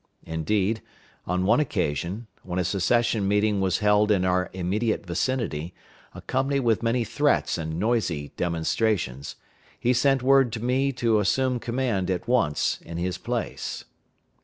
Indeed, on one occasion, when a Secession meeting was held in our immediate vicinity, accompanied with many threats and noisy demonstrations, he sent word to me to assume command at once in his place.